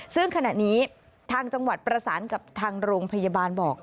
ซึ่งขณะนี้ทางจังหวัดประสานกับทางโรงพยาบาลบอก